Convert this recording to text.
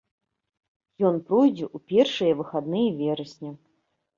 Ён пройдзе ў першыя выхадныя верасня.